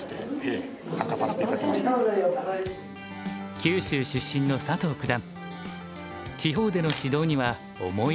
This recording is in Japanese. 九州出身の佐藤九段。